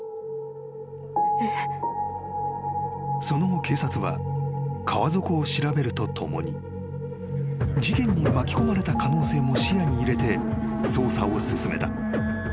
［その後警察は川底を調べるとともに事件に巻き込まれた可能性も視野に入れて捜査を進めた］